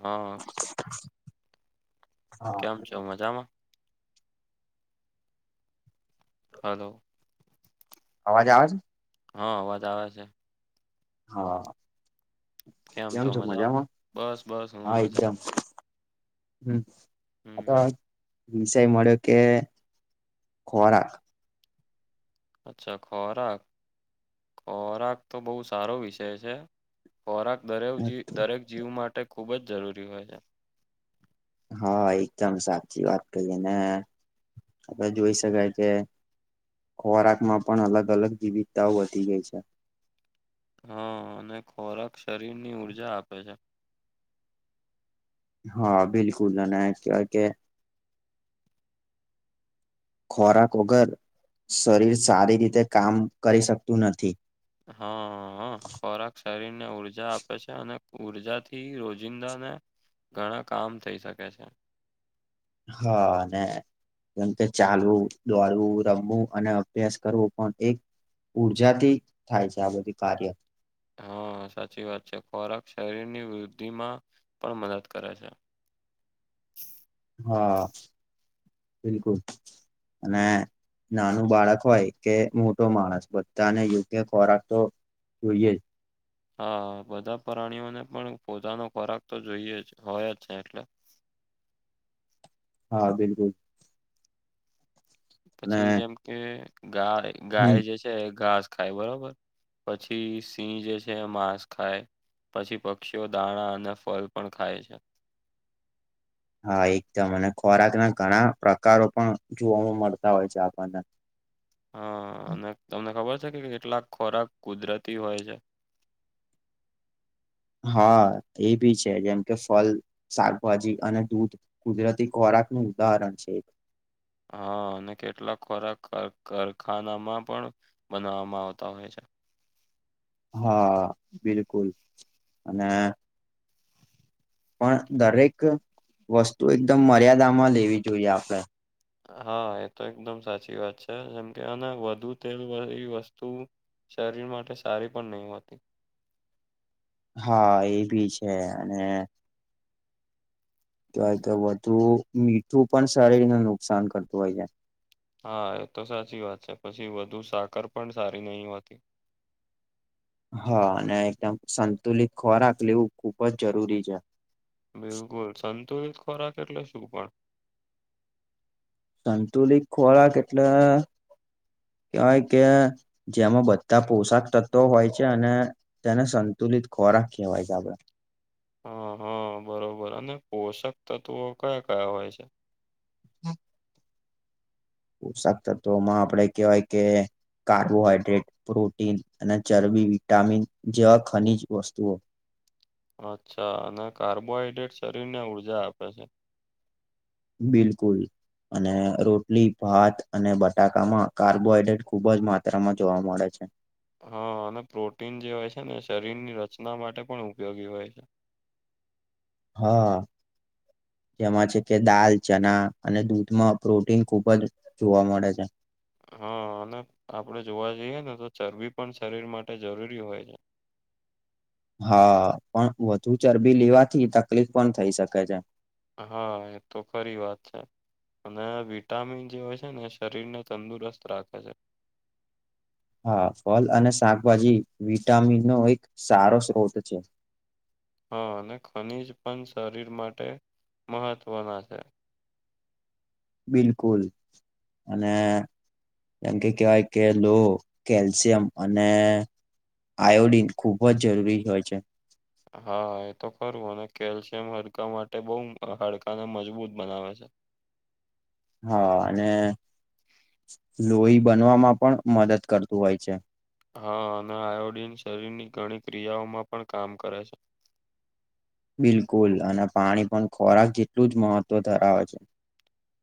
હા. [inaudible] કેમ છે મજામાં હલો અવાજ આવે છે. હા અવાજ આવે છે. હા કેમ છો મજામાં બસ બસ હું હા મજા એકદમ. હમ્મ હમ આ વિષય મળ્યો કે ખોરાક અચ્છા ખોરાક! ખોરાક તો બહુ સારો વિષય છે ખોરાક દરે જીવ દરેક જીવ માટે ખૂબ જ જરૂરી હોય છે હા એકદમ સાચી વાત કહીએ ને, આપણે જોઈ શકાય કે ખોરાક માં પણ અલગ-અલગ વિવિધ તાઓ વધી ગઈ છે. હા અને ખોરાક શરીરની ઉર્જા આપે છે. હા બિલકુલ અને કે ખોરાક વગર શરીર સારી રીતે કામ કરી શકતું નથી. હા અ ખોરાક શરીરને ઉર્જા આપે છે અને ઉર્જા થી રોજિંદાને ઘણા કામ થઈ શકે છે. હા અને જેમ કે ચાલવું દોડવું રમવું અને અભ્યાસ કરવો પણ એક ઉર્જાથી થાય છે આ બધું કાર્ય. હા સાચી વાત છે ખોરાક શરીર ની વૃદ્ધિમાં પણ મદદ કરે છે. હા બિલકુલ અને નાનું બાળક હોય કે મોટો માણસ બધાને યોગ્ય ખોરાક તો જોઈએ જ. હા બધા પ્રાણીઓને પણ પોતાનો ખોરાક તો જોઈએ જ હોય જ છે એટલે હા બિલકુલ. અને પછી જેમ કે ગાય હમ ગાય જે છે ઘાસ ખાય બરોબર. પછી સિંહ જે છે એમાંસ ખાય પછી પક્ષીઓ દાણા અને ફળ પણ ખાય. હા એકદમ અને ખોરાક ના ઘણા પ્રકારો પણ જોવા મળતા હોય છે આપણને હા અને તમને ખબર છે કે કેટલાક ખોરાક કુદરતી હોય છે હા એભી છે જેમ કે ફલ શાકભાજી અને દૂધ કુદરતી ખોરાક નું ઉદાહરણ છે. હા અને કેટલાક ખોરાક ખર ખરખાનામાં પણ બનાવામાં આવતા હોય છે હા બિલકુલ અને પણ દરેક વસ્તુ એકદમ મર્યાદામાં લેવી જોઈએ આપણે. હા એ તો એકદમ સાચી વાત છે જેમ કે અને વધુ તેલ વાળી વસ્તુ શરીર માટે સારી પણ નહી હોતી. હા એ ભી છે અને કેવાય કે વધુ મીઠું પણ શરીરને નુકસાન કરતું હોય છે. હા એ તો સાચી વાત છે પછી વધુ સાકર પણ સારી નહી હોતી. હા અને એકદમ સંતુલિત ખોરાક લેવું ખુબ જ જરૂરી છે. બિલકુલ સંતુલિત ખોરાક એટલે શું પણ? સંતુલિત ખોરાક એટલે કહેવાય કે જેમાં બધા પોશાક તત્વો હોય છે અને તેને સંતુલિત ખોરાક કહેવાય છે આપડે. હ હ બરોબર અને પોષક તત્વો કયા કયા હોય છે? [inaudible] પોશાક તત્વોમાં આપડે કેહેવાય કે કાર્બોહાઈડ્રેટ પ્રોટીન અને ચરબી વિટામિન જેવા ખનીજ વસ્તુઓ અચ્છા અને કાર્બોહાઈડ્રેટ શરીર ને ઉર્જા આપે છે. બિલકુલ. અને રોટલી ભાત અને બટાકામાં કાર્બોહાઈડ્રેટ ખુબ જ માત્રામાં જોવા મળે છે. હા અને પ્રોટીન જે હોય છે ને શરીરની રચના માટે પણ ઉપયોગી હોય છે. હા. જેમાં છે કે દાલ ચના અને દૂધમાં પ્રોટીન ખુબ જ જોવા મળે છે. હા અને આપડે જોવા જઈએ ને તો ચરબી પણ શરીર માટે જરૂરી હોય છે. હા પણ વધુ ચરબી લેવાથી તકલીફ પણ થઈ શકે છે. હા એ તો ખરી વાત છે. અને વિટામિન જે હોય છે ને એ શરીરને તંદુરસ્ત રાખે છે. હા ફલ અને શાકભાજી વિટામિન નો એક સારો સ્ત્રોત છે. હા અને ખનીજ પણ શરીર માટે મહત્વના છે. બિલકુલ અને જેમ કે કહેવાય કે લો કેલ્શિયમ અને આયોડીન ખુબ જ જરૂરી હોય છે. હા એ તો ખરું અને કેલ્શિયમ હડકા માટે બઉ હાડકાને મજબૂત બનાવે છે. હા અને લોહી બનવામાં પણ મદદ કરતું હોય છે. હા અને આયોડીન શરીરની ઘણી ક્રિયાઓમાં પણ કામ કરે છે. બિલકુલ અને પાણી પણ ખોરાક જેટલું જ મહત્વ ધરાવે છે.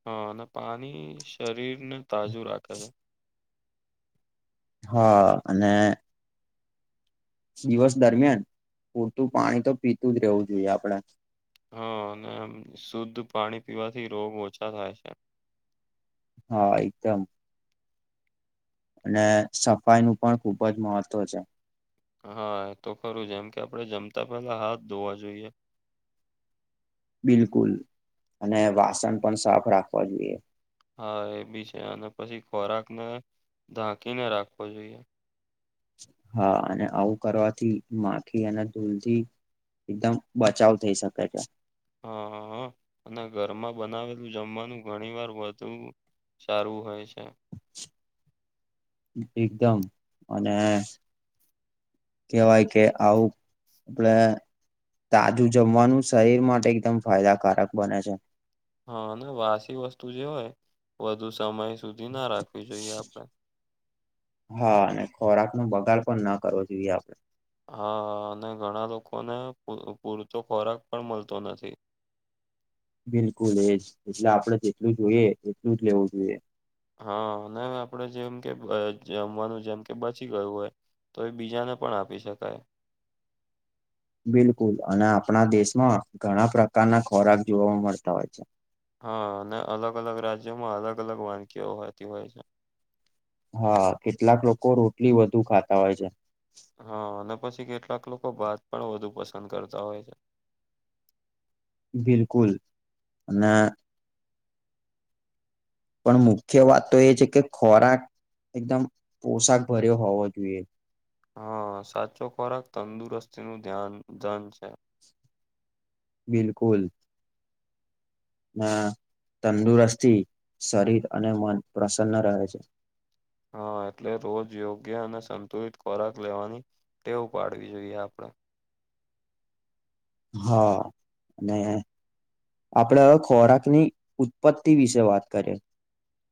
હા અને પાની શરીર ને તાજુ રાખે છે. હા અને દિવસ દરમિયાન પૂરતું પાણી તો પીતું જ રહેવું જોઈએ આપડે. હા અને શુદ્ધ પાણી પીવાથી રોગ ઓછા થાય છે. હા એકદમ. અને સફાઈ નું પણ ખુબ જ મહત્વ છે. હા એ તો ખરું જેમ કે આપણે જમતા પેલા હાથ ધોવા જોઈએ. બિલકુલ અને વાસણ પણ સાફ રાખવા જોઈએ. હા એ બી છે અને પછી ખોરાક ને ઢાંકીને રાખવો જોઈએ. હા અને આવું કરવાથી માખી અને ધૂલથી એકદમ બચાવ થઈ શકે છે. હા હ અને ઘરમાં બનાવેલું જમવાનું ઘણી વાર વધું સારું હોય છે. એકદમ અને કેહેવાય કે આવું આપડે તાજું જમવાનું શરીર માટે એકદમ ફાયદાકારક બને છે. હા અને વાસી વસ્તુ જે હોય વધુ સમય સુધી ના રાખવી જોઈએ આપણે. હા અને ખોરાક નો બગાડ પણ ના કરવો જોઈએ આપણે. હા હા અને ઘણા લોકોને પૂરતો ખોરાક પણ મળતો નથી. બિલકુલ એજ એટલે આપડે જેટલું જોઈએ એટલું જ લેવું જોઈએ. હા ને આપડે જેમ કે જમવાનું જેમ કે બચી ગયું હોય તો એ બીજાને પણ આપી શકાય. બિલકુલ અને આપણા દેશમાં ઘણા પ્રકારના ખોરાક જોવા મળતા હોય છે. હા અને અલગ અલગ રાજ્યોમાં અલગ અલગ વાનગીઓ હોતી હોય છે. હા કેટલાક લોકો રોટલી વધુ ખાતા હોય છે. હા અને પછી કેટલાક લોકો ભાત પણ વધુ પસંદ કરતા હોય છે. બિલકુલ ને પણ મુખ્ય વાત તો એ છે કે ખોરાક એકદમ પોશાક ભર્યો હોવો જોઈએ. હા સાચો ખોરાક તંદુરસ્તી નું ધ્યાન ધન છે. બિલકુલ ના તંદુરસ્થી શરીર અને મન પ્રસન્ન રહે છે. હા એટલે રોજ યોગ્ય અને સંતુલિત ખોરાક લેવાની ટેવ પાડવી જોઈએ આપડે. હા અને આપડે હવે ખોરાકની ઉત્પત્તિ વિશે વાત કરીએ.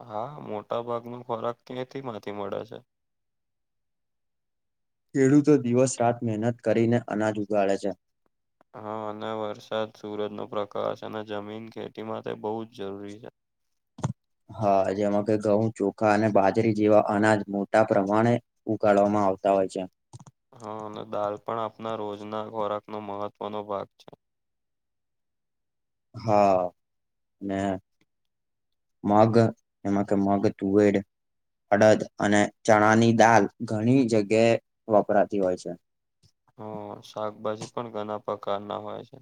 હા મોટા ભાગ નો ખોરાક ક્યાંથી માંથી મળે છે. ખેડૂતો દિવસ રાત મહેનત કરીને અનાજ ઉગાડે છે. હા અને વરસાદ સુરજ નો પ્રકાશ અને જમીન ખેતી માટે બહુ જ જરૂરી છે. હા જેમાં કે ઘઉં ચોખા અને બાજરી જેવા અનાજ મોટા પ્રમાણે ઉગાળવામાં આવતા હોય છે. હા અને દાલ પણ આપના રોજ ના ખોરાકનો મહત્વનો ભાગ છે. હા મે માઘન એમાં કે મઘ તુવેર અડદ અને ચણાની દાલ ઘણી જગ્યાએ વપરાતી હોય છે. હ શાકભાજી પણ ઘણા પ્રકાર ના હોય છે.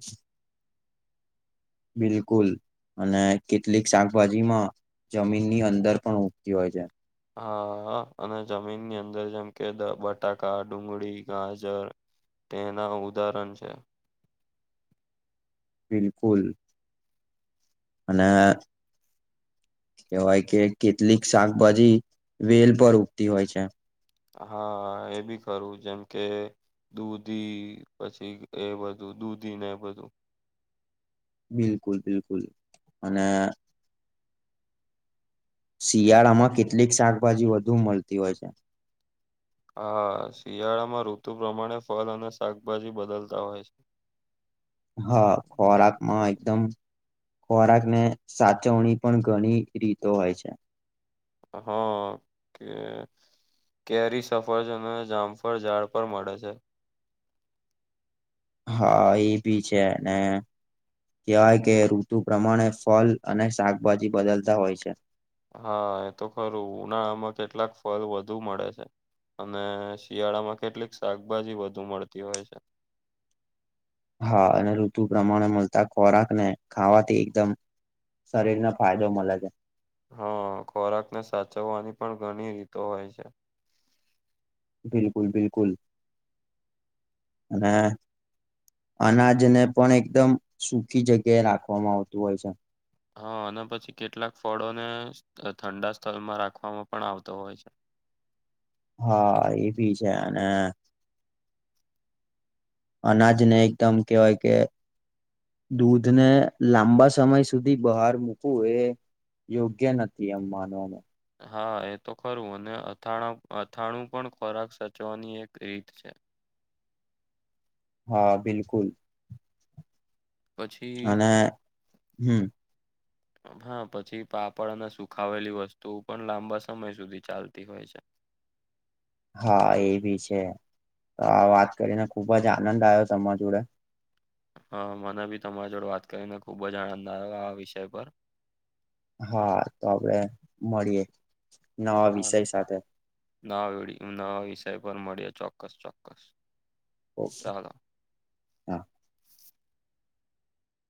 બિલકુલ અને કેટલીક શાકભાજી માં જમીન ની અંદર પણ ઉગતી હોય છે. હા અને જમીનની અંદર જેમ કે બટાકા ડુંગળી ગાજર તેના ઉદાહરણ છે. બિલકુલ. અને કેવાય કે કેટલીક શાકભાજી વેલ પર ઉગતી હોય છે. હા એ બી ખરુ જેમ કે દૂધી પછી એ બધું દૂધી ને એ બધું બિલકુલ બિલકુલ અને શિયાળામાં કેટલીક શાકભાજી વધુ મળતી હોય છે. હા શિયાળામાં ઋતુ પ્રમાણે ફલ અને શાકભાજી બદલતા હોય છે. હા ખોરાક માંય એકદમ ખોરાક ને સાચવણી પણ ઘણી રીતો હોય છે. હા કે કેરી સફળજન અને જામફળ ઝાડ પર મળે છે. હા એ ભી છે અને કહેવાય કે ઋતુ પ્રમાણે ફલ અને શાકભાજી બદલતા હોય છે. હા એ તો ખરું ઉનાળામાં કેટલાક ફળ વધુ મળે છે. અને શિયાળા માં કેટલીક શાકભાજી વધુ મળતી હોય છે. હા અને ઋતુ પ્રમાણે મળતા ખોરાક ને ખાવાથી એકદમ શરીરને ફાયદો મળે છે. હા ખોરાક ને સાચવવાની પણ ઘણી રીતો હોય છે. બિલકુલ બિલકુલ અને અનાજને પણ એકદમ સુખી જગ્યાએ રાખવામાં આવતું હોય છે. હા અને પછી કેટલાક ફળોને ઠંડા સ્થળમાં રાખવામાં પણ આવતો હોય છે. હા એ ભી છે અને અનાજ ને એકદમ કહેવાય કે દૂધ ને લાંબા સમય સુધી બહાર મૂકવું એ યોગ્ય નથી એમ માનવામાં હા એ તો ખરું અને અથાણા અથાણું પણ ખોરાક સાચવાની એક રીત છે. હા બિલકુલ. પછી અને હમ્મ. હા પછી પાપડ અને સુખાવેલી વસ્તુઓ પણ લાંબા સમય સુધી ચાલતી હોય છે. હા એ ભી છે તો આ વાત કરીને ખુબ જ આનંદ આવ્યો તમારા જોડે હા મને બી તમારા જોડે વાત કરીને ખુબ જ આનંદ આવ્યો આ વિષય પર હા તો આપડે મળીએે નવા વિષય સાથે ના વડી નવા વિષય પર મળ્યો ચોક્કસ ચોક્કસ ઓકે ચાલો હા